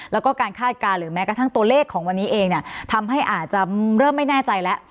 แล้วก็การคาดการณ์หรือแม้กระทั่งตัวเลขของวันนี้เองเนี่ยทำให้อาจจะเริ่มไม่แน่ใจแล้ว